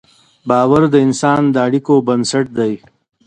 باور د انسان د اړیکو بنسټ دی.